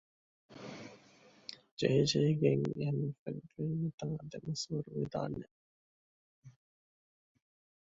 ޖެހިޖެހިގެން އެހުވަފެން ފެންނަތާ ދެމަސްވަރުވެދާނެ